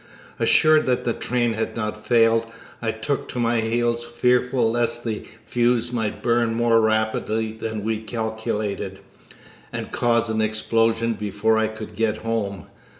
Assured that the train had not failed, I took to my heels, fearful lest the fuse might burn more rapidly than we calculated, and cause an explosion before I could get home.